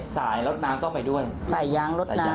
สายยางรถน้ำ